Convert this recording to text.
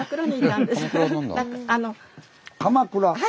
あの鎌倉？